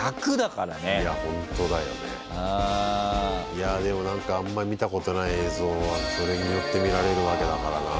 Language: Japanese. いやでも何かあんまり見たことない映像がそれによって見られるわけだからな。